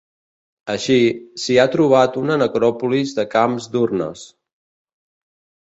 Així, s'hi ha trobat una necròpolis de camps d'urnes.